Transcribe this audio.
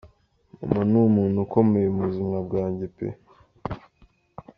Mama ni umuntu ukomeye mu buzima bwanjya pe!